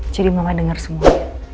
jadi mama denger semua